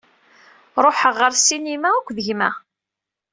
Ruḥeɣ ɣer sinima akked gma.